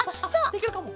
できるかも。